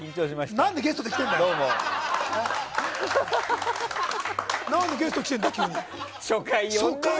何でゲストで来てんだよ！